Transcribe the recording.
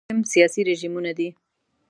دا حاکم سیاسي رژیمونه دي.